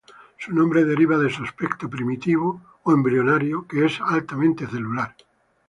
Su nombre deriva de su aspecto, primitivo o embrionario, que es altamente celular.